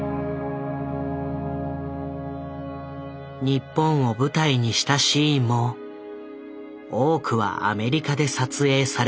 日本を舞台にしたシーンも多くはアメリカで撮影されていた。